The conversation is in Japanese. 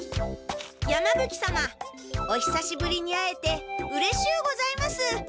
山ぶ鬼様おひさしぶりに会えてうれしゅうございます。